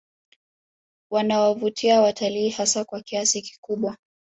Wanawavutia watalii hasa kwa kiasi kikubwa